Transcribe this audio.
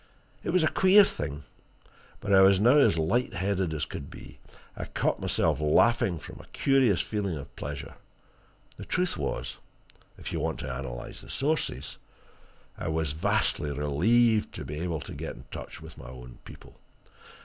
It was a queer thing, but I was now as light hearted as could be I caught myself laughing from a curious feeling of pleasure. The truth was if you want to analyse the sources I was vastly relieved to be able to get in touch with my own people.